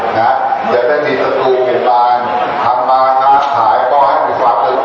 อย่าได้มีศัตรูผิดปลายทำมาทำขายบอกให้มีความรู้สึก